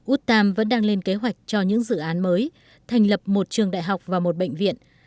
út tam vẫn đang lên kế hoạch cho những dự án mới thành lập một trường đại học và một bệnh viện